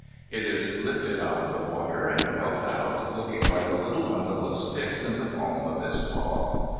It is lifted out of the water and held out, looking like a little bundle of sticks in the palm of his paw.